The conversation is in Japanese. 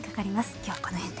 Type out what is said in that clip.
きょうはこの辺で。